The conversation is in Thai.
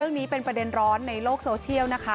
เรื่องนี้เป็นประเด็นร้อนในโลกโซเชียลนะคะ